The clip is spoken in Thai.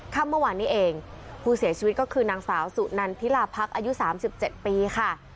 ข้ามเมื่อวานนี้เองผู้เสียชีวิตก็คือนางสาวสุนันพิราบพักอายุสามสิบเจ็ดปีค่ะ